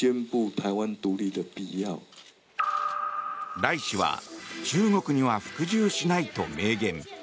頼氏は中国には服従しないと明言。